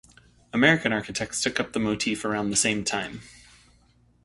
American architects took up the motif around the same time.